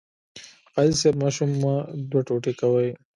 قاضي صیب ماشوم مه دوه ټوټې کوئ.